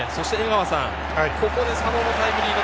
ここで佐野のタイムリー。